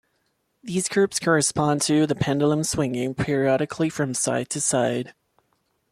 These curves correspond to the pendulum swinging periodically from side to side.